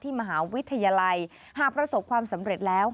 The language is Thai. มหาวิทยาลัยหากประสบความสำเร็จแล้ว